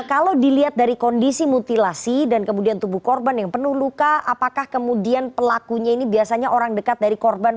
kalau dilihat dari kondisi mutilasi dan kemudian tubuh korban yang penuh luka apakah kemudian pelakunya ini biasanya orang dekat dari korban